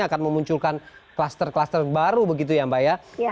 akan memunculkan kluster kluster baru begitu ya mbak ya